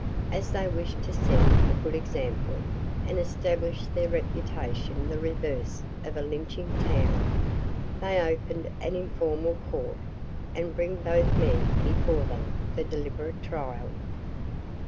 As they wished to set a good example and establish their reputation the reverse of a Lynching town, they open an informal court and bring both men before them for deliberate trial.